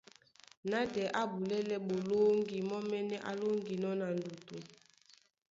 Nátɛɛ á bulɛ́lɛ́ ɓolóŋgi mɔ́mɛ́nɛ́ á lóŋginɔ́ na ndutu,